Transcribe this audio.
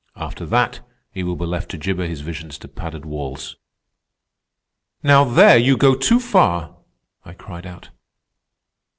After that he will be left to gibber his visions to padded walls." "Now there you go too far!" I cried out.